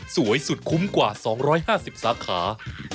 สวยสุดคุ้มกว่า๒๕๐สาขา